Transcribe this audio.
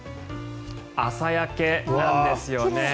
朝焼けなんですよね。